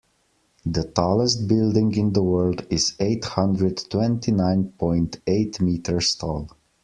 The tallest building in the world is eight hundred twenty nine point eight meters tall.